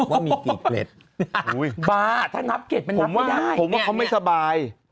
ว่ามีกี่เกล็ดบ้าถ้านับเกร็ดผมว่าได้ผมว่าเขาไม่สบาย